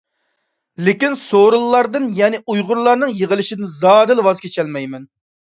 لېكىن، سورۇنلاردىن، يەنى ئۇيغۇرلارنىڭ يىغىلىشىدىن زادىلا ۋاز كېچەلمەيدۇ.